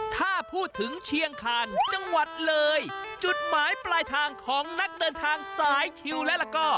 ถ้าพูดถึงเชียงคาญจังหวัดเลยจุดหมายปลายทางของนักเดินทางสายชิวและละก้อ